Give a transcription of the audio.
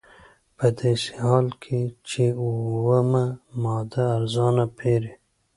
په داسې حال کې چې اومه مواد ارزانه پېري